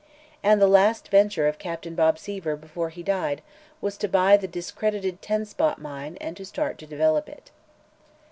And the last venture of Captain Bob Seaver, before he died, was to buy the discredited "Ten Spot" mine and start to develop it.